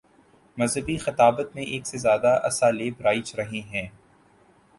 مذہبی خطابت میں ایک سے زیادہ اسالیب رائج رہے ہیں۔